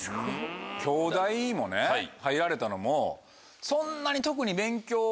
京大もね入られたのもそんなに特に。